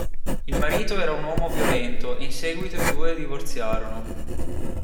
Il marito era un uomo violento e in seguito i due divorziarono.